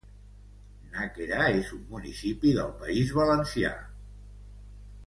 Nàquera és un municipi del País Valencià.